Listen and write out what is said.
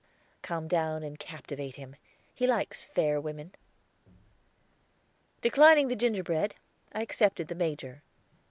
Come down and captivate him. He likes fair women." Declining the gingerbread, I accepted the Major.